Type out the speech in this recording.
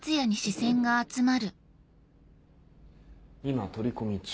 今取り込み中。